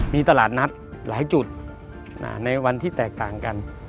มีตลาดนัดหลายจุดในวันที่แตกต่างกัน